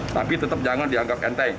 tapi tetap jangan dianggap enteng